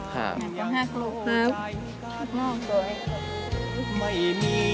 แม่ว่าฮักลูกเตือ